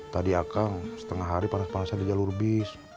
tadi akang setengah hari panas panasan di jalur bis